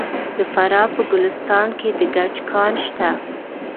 د فراه په ګلستان کې د ګچ کان شته.